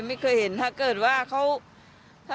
ไม่เคยเห็นถ้าเกิดว่าเขาเขาเขาเขาเขาเขา